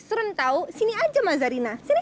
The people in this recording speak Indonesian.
seren tau sini aja mas zarina sini